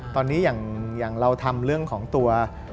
ตอนนี้อย่างเราทำเรื่องของตัว